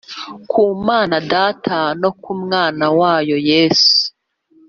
ku manaData no ku Mwana wayo Yesu